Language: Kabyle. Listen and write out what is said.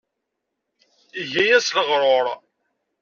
Iga-yas leɣrur.